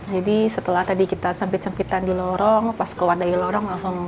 jadi setelah tadi kita sempit sempitan di lorong pas keluar dari lorong langsung